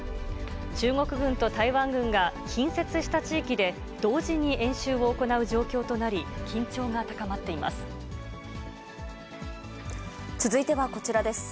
中国軍と台湾軍が近接した地域で同時に演習を行う状況となり、続いてはこちらです。